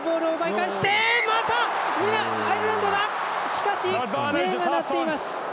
しかし、笛が鳴っています。